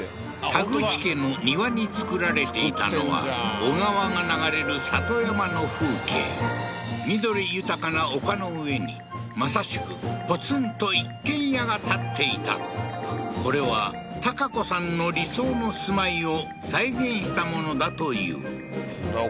田口家の庭に造られていたのは小川が流れる里山の風景緑豊かな丘の上にまさしくポツンと一軒家が建っていたこれは良子さんの理想の住まいを再現したものだというお母さん造り込んだわね